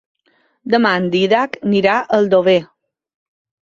Demà en Dídac irà a Aldover.